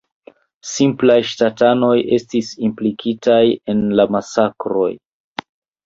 Simplaj ŝtatanoj estis implikitaj en la masakroj.